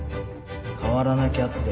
変わらなきゃって